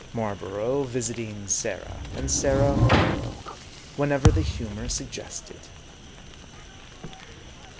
Marl borough visiting Sarah ; and Sarah, Marlborough, whenever the humor suggested.